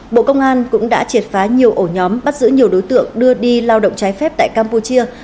bộ công an cũng đã triệt phá nhiều ổ nhóm bắt giữ nhiều đối tượng đưa đi lao động trái phép tại campuchia